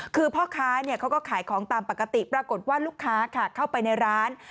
คือพ่อค้าเขาก็ขายของตามปกติปรากฏว่าลูกค้าค่ะเข้าไปในร้าน